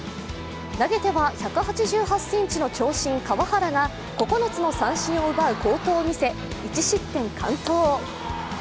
投げては１８８ｃｍの長身、川原が９つの三振を奪う好投を見せ、１失点完投。